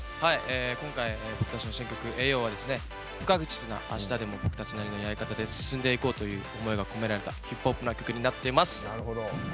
今回新曲「Ａｙ‐Ｙｏ」は不確実なあしたでも僕たちなりのやり方で進んでいこうという思いが込められたヒップホップな曲になっています。